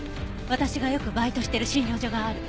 私がよくバイトしてる診療所がある。